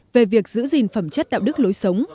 về việc giữ gìn phẩm chất đạo đức lối sống